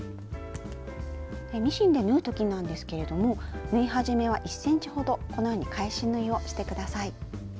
ミシンで縫う時なんですけれども縫い始めは１ｃｍほどこのように返し縫いをして下さい。